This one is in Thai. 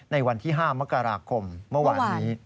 ในวันที่๕มกราคมเมื่อวานนี้